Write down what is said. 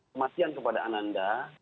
kematian kepada ananda